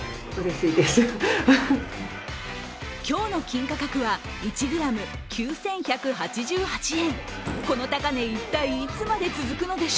今日の金価格は１ｇ９１８８円。